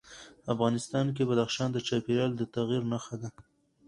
افغانستان کې بدخشان د چاپېریال د تغیر نښه ده.